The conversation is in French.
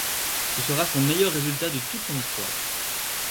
Ce sera son meilleur résultat de toute son histoire.